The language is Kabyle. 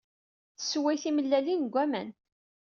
Tsewway timellalin deg waman